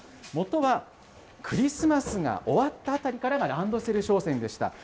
もとはクリスマスが終わったあたりからがランドセル商戦でした。